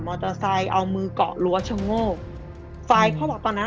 มอเตอร์ไซค์เอามือเกาะรัวชะโงงตอนนั้น